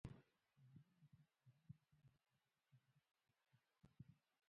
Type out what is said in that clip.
ازادي راډیو د کډوال لپاره د چارواکو دریځ خپور کړی.